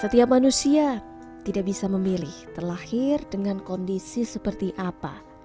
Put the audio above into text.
setiap manusia tidak bisa memilih terlahir dengan kondisi seperti apa